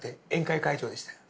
宴会会場でしたよ。